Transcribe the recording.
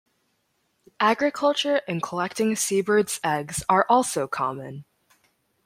Agriculture and collecting seabirds' eggs are also common.